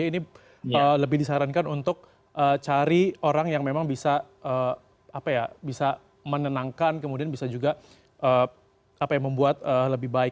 ini lebih disarankan untuk cari orang yang memang bisa menenangkan kemudian bisa juga membuat lebih baik